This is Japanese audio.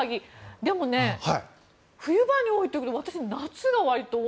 でも、冬場に多いというけど私、夏がわりと多い。